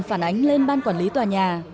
phản ánh lên ban quản lý tòa nhà